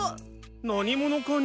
何者かに。